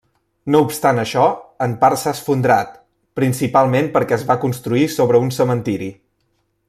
No obstant això, en part s'ha esfondrat, principalment perquè es va construir sobre un cementiri.